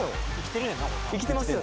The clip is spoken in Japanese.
生きてます